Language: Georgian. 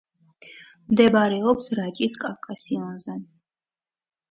მდებარეობს რაჭის კავკასიონზე.